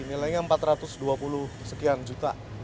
nilainya empat ratus dua puluh sekian juta